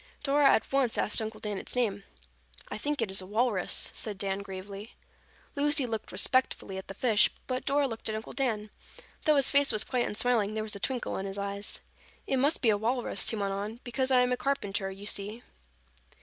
Dora at once asked Uncle Dan its name. "I think it is a walrus," said Dan gravely. Lucy looked respectfully at the fish but Dora looked at Uncle Dan. Though his face was quite unsmiling, there was a twinkle in his eyes. "It must be a walrus," he went on, "because I am a carpenter, you see."